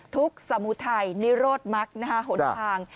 ทุกข์สมุทัยนิโรธมักนะฮะหลวนทาง